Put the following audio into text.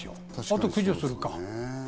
あとは駆除をするか。